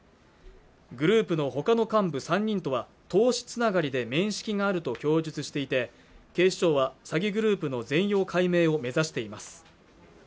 グループのほかの幹部３人とは投資繋がりで面識があると供述していて警視庁は詐欺グループの全容解明を目指しています